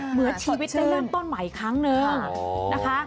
เหมือนชีวิตได้เริ่มต้นใหม่อีกครั้งนึงนะคะ